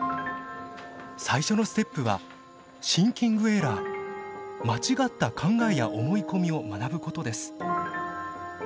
最初のステップはシンキングエラー間違った考えや思い込みを学ぶことです。